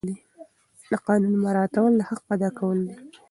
د قانون مراعات کول د حق ادا کول دي.